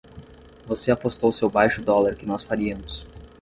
Você apostou seu baixo dólar que nós faríamos!